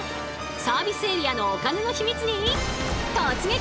サービスエリアのお金のヒミツに突撃！